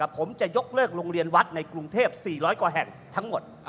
ผมจะยกเลิกโรงเรียนวัดในกรุงเทพ๔๐๐กว่าแห่งทั้งหมด